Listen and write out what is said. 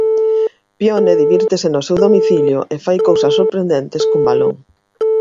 Pione divírtese no seu domicilio e fai cousas sorprendentes cun balón.